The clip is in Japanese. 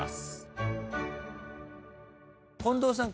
近藤さん